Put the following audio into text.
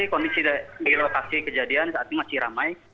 kondisi di lokasi kejadian saat ini masih ramai